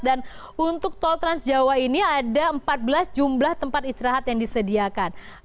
dan untuk tol trans jawa ini ada empat belas jumlah tempat istirahat yang disediakan